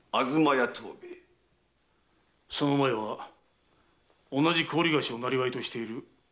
その前は同じ高利貸しを生業としている吉野屋。